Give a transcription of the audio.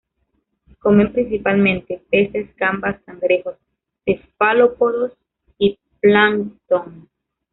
Come principalmente peces, gambas, cangrejos, cefalópodos y plancton.